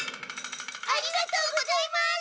ありがとうございます！